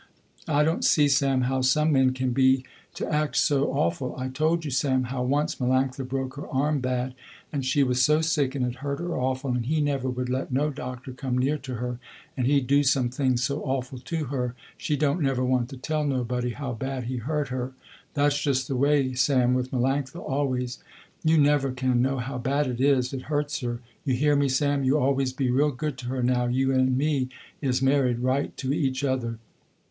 I don't see Sam how some men can be to act so awful. I told you Sam, how once Melanctha broke her arm bad and she was so sick and it hurt her awful and he never would let no doctor come near to her and he do some things so awful to her, she don't never want to tell nobody how bad he hurt her. That's just the way Sam with Melanctha always, you never can know how bad it is, it hurts her. You hear me Sam, you always be real good to her now you and me is married right to each other."